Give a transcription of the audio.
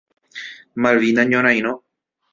Malvina Ñorairõ.